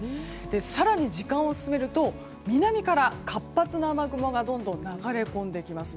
更に、時間を進めると南から活発な雨雲がどんどんと流れ込んできます。